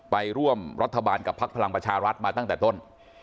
ไปร่วมรัฐบาลกับพักพลังประชารัฐมาตั้งแต่ต้น